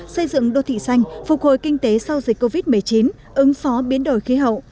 xây dựng đô thị xanh phục hồi kinh tế sau dịch covid một mươi chín ứng phó biến đổi khí hậu